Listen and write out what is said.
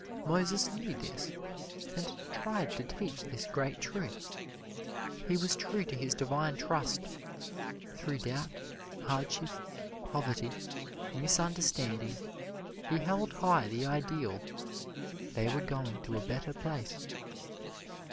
Moses knew this and tried to teach this great truth. He was true to his divine trust. Through doubt, hardship, poverty, misunderstanding, he held high the ideal they were going to a better place.